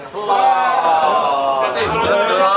setiap petang berapa lama